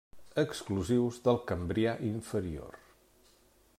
Exclusius del Cambrià inferior.